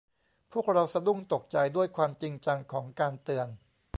พวกเราสะดุ้งตกใจด้วยความจริงจังของการเตือน